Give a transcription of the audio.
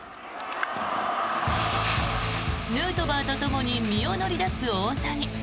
ヌートバーとともに身を乗り出す大谷。